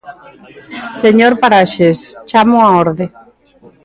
Señor Paraxes, chámoo á orde.